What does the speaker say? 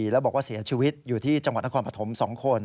แล้วบอกว่าเสียชีวิตอยู่ที่จังหวัดนครปฐม๒คน